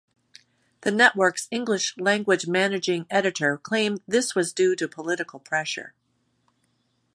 The network's English-language managing editor claimed this was due to political pressure.